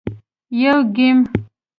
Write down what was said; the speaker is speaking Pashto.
- یو ګېم 🎮